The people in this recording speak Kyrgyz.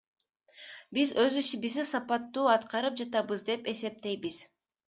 Биз өз ишибизди сапаттуу аткарып жатабыз деп эсептейбиз.